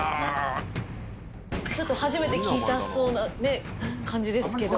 ちょっと初めて聞いたそうな感じですけど。